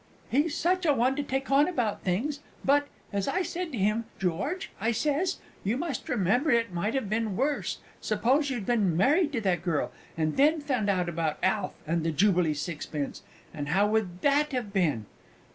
He's such a one to take on about things but, as I said to him, "George," I says, "You must remember it might have been worse. Suppose you'd been married to that girl, and then found out about Alf and the Jubilee sixpence how would that have been?"